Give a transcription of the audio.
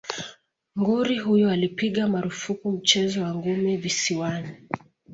Nguri huyo alipiga marufuku mchezo wa ngumi visiwani